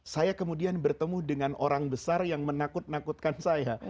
saya kemudian bertemu dengan orang besar yang menakut nakutkan saya